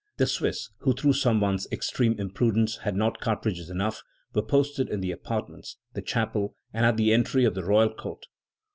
The Swiss, who through some one's extreme imprudence had not cartridges enough, were posted in the apartments, the chapel, and at the entry of the Royal Court.